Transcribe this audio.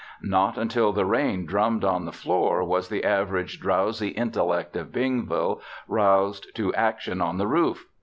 Not until the rain drummed on the floor was the average, drowsy intellect of Bingville roused to action on the roof.